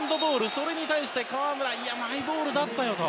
それに対して河村はマイボールだったよと。